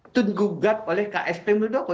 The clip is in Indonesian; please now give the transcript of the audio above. itu digugat oleh ksp muldoko